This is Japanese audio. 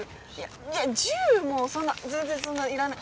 いや１０もそんな全然そんないらない。